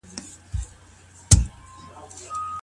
ايا رسول الله د خنساء د پلار پرېکړه رد کړه؟